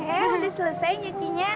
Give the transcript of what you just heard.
eh sudah selesai nyucinya